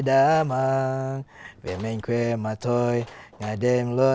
đây là điều tuyệt vời